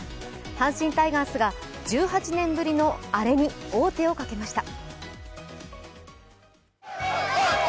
阪神タイガースが１８年ぶりのアレに王手をかけました。